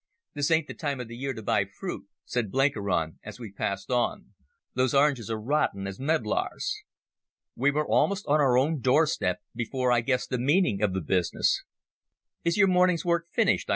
"This ain't the time of year to buy fruit," said Blenkiron as we passed on. "Those oranges are rotten as medlars." We were almost on our own doorstep before I guessed the meaning of the business. "Is your morning's work finished?"